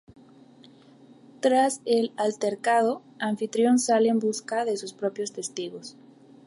Tras el altercado, Anfitrión sale en busca de sus propios testigos.